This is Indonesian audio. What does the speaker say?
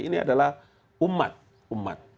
ini adalah umat